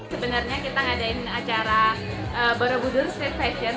sebenarnya kita ngadain acara borobudur street fashion